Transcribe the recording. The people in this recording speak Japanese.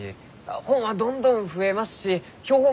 本はどんどん増えますし標本もどんどん増え。